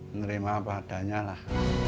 menerima apa adanya lah